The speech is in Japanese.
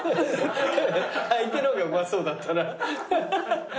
相手のがうまそうだったら。